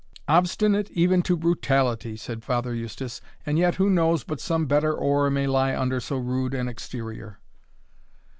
"Obstinate even to brutality!" said Father Eustace; "and yet who knows but some better ore may lie under so rude an exterior?"